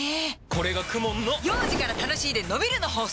これがＫＵＭＯＮの幼児から楽しいでのびるの法則！